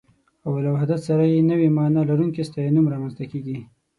او له وحدت سره يې نوې مانا لرونکی ستاينوم رامنځته کېږي